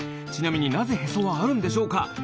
ちなみなぜへそはあるんでしょうか？